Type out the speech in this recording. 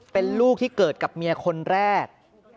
เป็นลูกที่เกิดกับเมียคนแรก